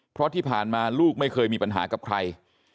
เพราะที่ผ่านมาลูกไม่เคยมีปัญหากับใคร